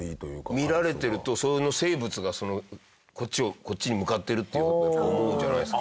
見られてるとその生物がこっちに向かってるっていう風にやっぱ思うんじゃないですか。